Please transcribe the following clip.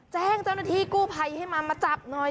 แจ้งเจ้าหน้าที่กู้ภัยให้มามาจับหน่อย